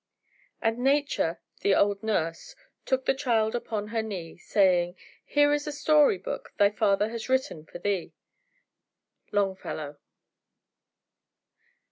"And Nature, the old nurse, took The child upon her knee, Saying: 'Here is a story book Thy Father has written for thee." Longfellow.